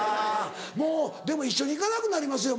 でも一緒に行かなくなりますよ